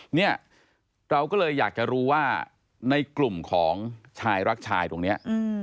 เนี่ยเราก็เลยอยากจะรู้ว่าในกลุ่มของชายรักชายตรงนี้